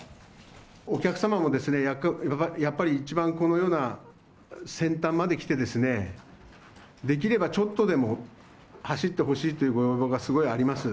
お客様もやっぱり一番このような先端まで来てですね、できればちょっとでも走ってほしいというご要望がすごいあります。